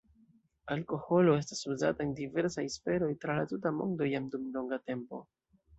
Alkoholo estas uzata en diversaj sferoj tra la tuta mondo jam dum longa tempo.